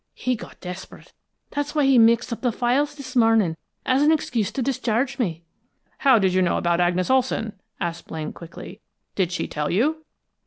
he got desperate. That's why he mixed up the files this morning, for an excuse to discharge me." "How did you know about Agnes Olson?" asked Blaine quickly. "Did she tell you?"